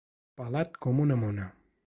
Pelat com una mona.